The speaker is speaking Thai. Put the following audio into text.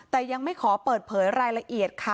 ต้องรอผลพิสูจน์จากแพทย์ก่อนนะคะ